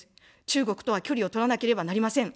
中国とは距離を取らなければなりません。